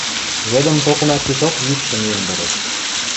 Йыдым токына пишок йӱкшӹ миэн пырыш.